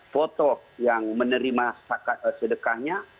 foto yang menerima sedekahnya